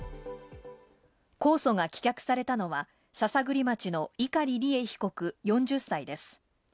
控訴が棄却されたのは篠栗町の碇利恵被告、４０歳です。